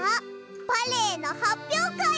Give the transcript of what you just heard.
バレエのはっぴょうかい！